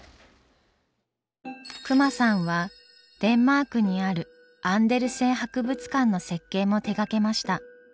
隈さんはデンマークにあるアンデルセン博物館の設計も手がけました。